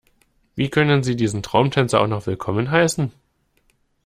Wie können Sie diesen Traumtänzer auch noch willkommen heißen?